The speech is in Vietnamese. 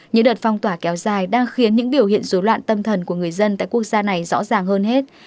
những đợt phong tỏa kéo dài đang khiến những biểu hiện dối loạn tâm thần của người dân tại quốc gia này rõ ràng hơn hết